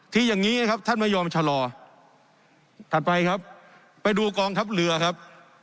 อย่างนี้นะครับท่านไม่ยอมชะลอถัดไปครับไปดูกองทัพเรือครับ